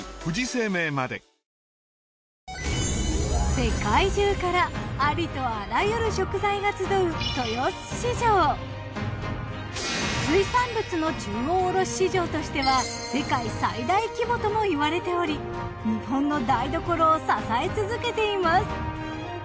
世界中からありとあらゆる食材が集う水産物の中央卸市場としては世界最大規模ともいわれており日本の台所を支え続けています。